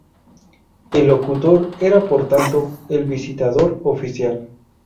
El locutor era, por tanto, el visitador oficial.